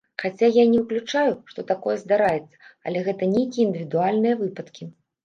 Хаця я не выключаю, што такое здараецца, але гэта нейкія індывідуальныя выпадкі.